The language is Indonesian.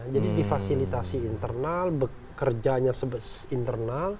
jadi difasilitasi internal bekerjanya internal